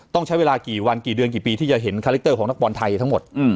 ต้องใช้เวลากี่วันกี่เดือนกี่ปีที่จะเห็นคาแคคเตอร์ของนักบอลไทยทั้งหมด